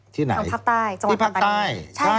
ที่ไหนที่พักใต้